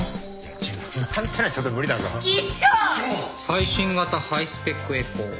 「最新型ハイスペックエコー」エコー？